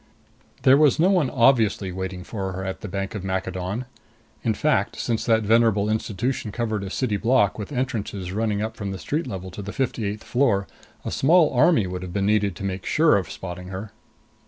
There was no one obviously waiting for her at the Bank of Maccadon. In fact, since that venerable institution covered a city block, with entrances running up from the street level to the fifty eighth floor, a small army would have been needed to make sure of spotting her.